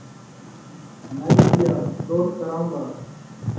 نائی تیا دؔوت کراوں گا